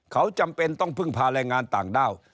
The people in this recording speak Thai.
เขาจำเป็นต้องพึ่งพาแรงงานต่างด้าว